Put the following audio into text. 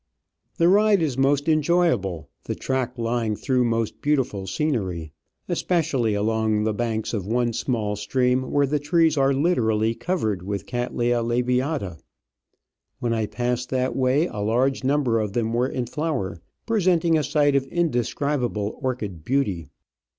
The ride is most enjoyable, the track lying through most beautiful scenery, Digitized by V:iOOQIC 156 Travels and Adventures especially along the banks of one small stream, where the trees are literally covered with Cattleya labiata. When I passed that way a large number of them were in flower, presenting a sight of indescribable orchid beauty.